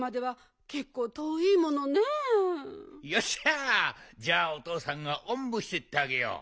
よっしゃじゃおとうさんがおんぶしてってあげよう。